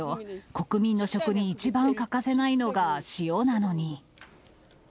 国民の食に一番欠かせないのが塩なのに。